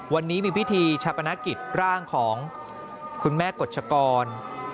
วันนี้มีพิธีชาปนกิจร่างของคุณแม่กฎชกร